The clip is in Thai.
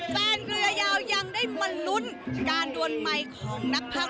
แฟนเรือยาวยังได้มนุนการด่วนใหม่ของนักภาค